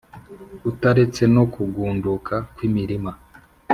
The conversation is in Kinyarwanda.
utaretse no kugunduka kw'imirima.